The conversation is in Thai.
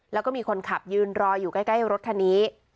แล้วก็มีคนขับยืนรออยู่ใกล้รถคันนี้